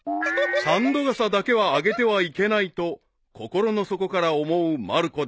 ［三度がさだけはあげてはいけないと心の底から思うまる子であった］